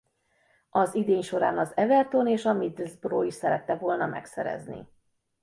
Az idény során az Everton és a Middlesbrough is szerette volna megszerezni.